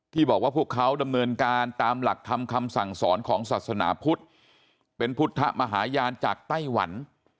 บอกว่าพวกเขาดำเนินการตามหลักธรรมคำสั่งสอนของศาสนาพุทธเป็นพุทธมหาญาณจากไต้หวัน